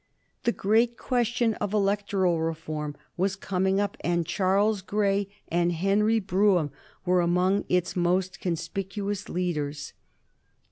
The great question of electoral reform was coming up, and Charles Grey and Henry Brougham were among its most conspicuous leaders.